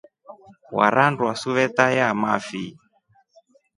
Warandwa suveta yamafi?